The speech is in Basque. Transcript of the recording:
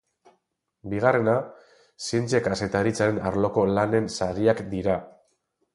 Bigarrena, zientzia-kazetaritzaren arloko lanen sariak dira.